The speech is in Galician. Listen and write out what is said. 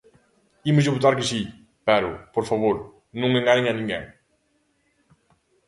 Ímoslle votar que si, pero, por favor, non enganen a ninguén.